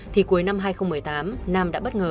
thì cuối năm hai nghìn một mươi tám nam đã bất ngờ